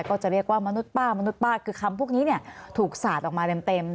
ก็จะเรียกว่ามนุษย์ป้ามนุษย์ป้าคือคำพวกนี้ถูกสาดออกมาเต็ม